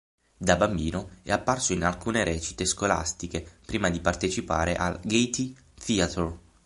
Da bambino è apparso in alcune recite scolastiche prima di partecipare al Gaiety Theatre.